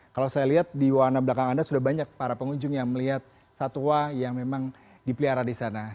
kalau saya lihat di warna belakang anda sudah banyak para pengunjung yang melihat satwa yang memang dipelihara di sana